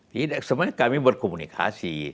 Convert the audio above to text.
tidak semuanya kami berkomunikasi